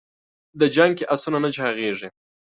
د جنګ کې اسونه نه چاغېږي.